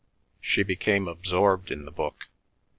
She became absorbed in the book.